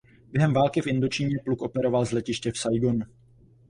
Během války v Indočíně pluk operoval z letiště v Saigonu.